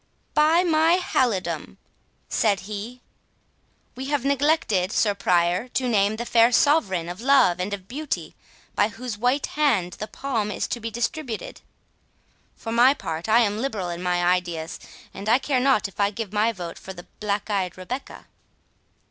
"By my halidom," said he, "we have forgotten, Sir Prior, to name the fair Sovereign of Love and of Beauty, by whose white hand the palm is to be distributed. For my part, I am liberal in my ideas, and I care not if I give my vote for the black eyed Rebecca."